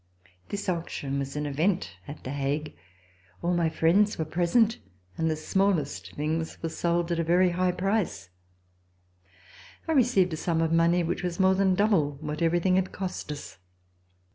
This auction was an event at The Hague. All my friends were present, and the smallest things were sold at a very high price. I received a sum of money which was more than double what everything had cost us.